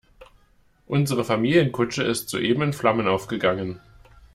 Unsere Familienkutsche ist soeben in Flammen aufgegangen.